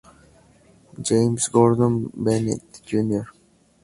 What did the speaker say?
James Gordon Bennett, Jr.